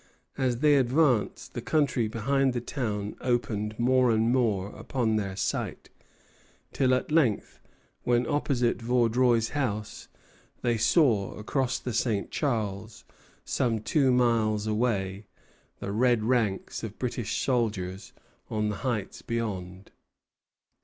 As they advanced, the country behind the town opened more and more upon their sight; till at length, when opposite Vaudreuil's house, they saw across the St. Charles, some two miles away, the red ranks of British soldiers on the heights beyond.